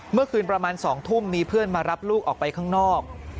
เมื่อคืนประมาณ๒ทุ่มมีเพื่อนมารับลูกออกไปข้างนอก